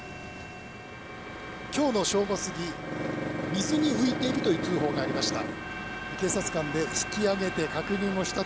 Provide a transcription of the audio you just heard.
今日の正午過ぎ水に浮いているという通報がありました。